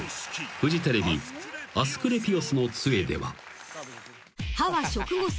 ［フジテレビ『アスクレピオスの杖』では］